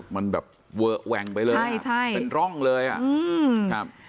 มันแบบเวอร์แวงไปเลยอ่ะเป็นร่องเลยอ่ะ